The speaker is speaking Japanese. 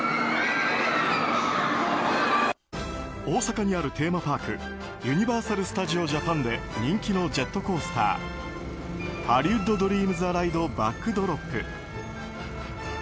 大阪にあるテーマパークユニバーサル・スタジオ・ジャパンで人気のジェットコースターハリウッド・ドリーム・ザ・ライドバックドロップ。